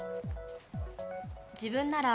自分なら、